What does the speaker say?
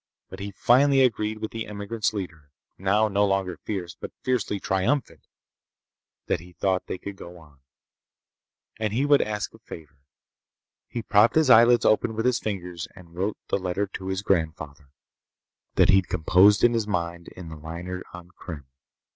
But he finally agreed with the emigrants' leader—now no longer fierce, but fiercely triumphant—that he thought they could go on. And he would ask a favor. He propped his eyelids open with his fingers and wrote the letter to his grandfather that he'd composed in his mind in the liner on Krim.